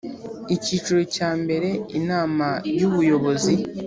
Icyiciro cya mbere Inama y’Ubuyobozi